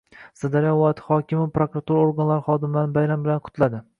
Sirdaryo viloyati hokimi prokuratura organlari xodimlarini bayram bilan qutladi